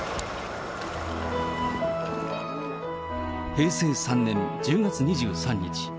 平成３年１０月２３日。